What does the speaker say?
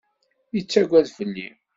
Yettagad fell-i.